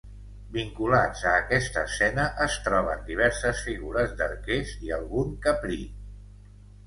Vinculats a aquesta escena, es troben diverses figures d'arquers i algun caprí.